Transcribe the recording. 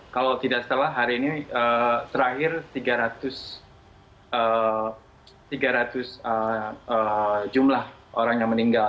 kalau tidak salah hari ini terakhir tiga ratus jumlah orang yang meninggal